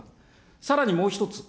さらにもう一つ。